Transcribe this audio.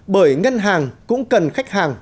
bởi ngân hàng cũng cần khách hàng